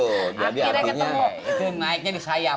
akhirnya ketemu itu naiknya di sayap